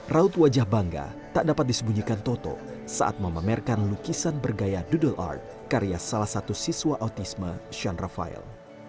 raut wajah bangga tak dapat disembunyikan toto saat memamerkan lukisan bergaya doodle art karya salah satu siswa autisme sean rafael